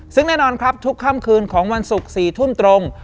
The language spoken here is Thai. ซึ่งแน่นอนครับทุกค่ำคืนของวันศุกร์๔ทุ่มตรง